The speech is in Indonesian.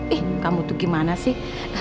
eh kamu tuh gimana sih